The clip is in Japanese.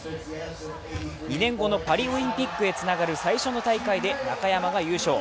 ２年後のパリオリンピックへつながる最初の大会で中山が優勝。